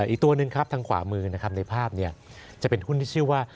อีกตัวหนึ่งครับทางขวามือนะครับในภาพจะเป็นหุ้นที่ชื่อว่า